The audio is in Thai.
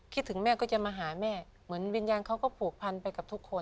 ถึงแม่ก็จะมาหาแม่เหมือนวิญญาณเขาก็ผูกพันไปกับทุกคน